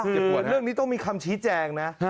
เรื่องนี้ต้องมีคำชี้แจงนะ